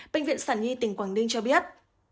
bệnh viện sản nhi tỉnh quảng ninh cho biết